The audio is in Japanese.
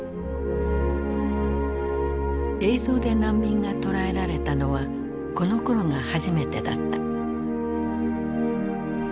映像で難民が捉えられたのはこのころが初めてだった。